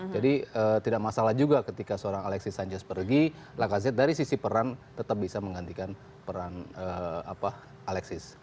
jadi tidak masalah juga ketika seorang alexis sanchez pergi lacazette dari sisi peran tetap bisa menggantikan peran alexis